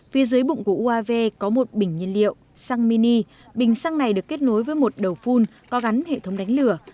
phía dưới bụng của uav có một bình nhiên liệu xăng mini bình xăng này được kết nối với một đầu phun có gắn hệ thống đánh lửa